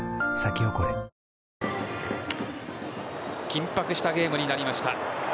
緊迫したゲームになりました。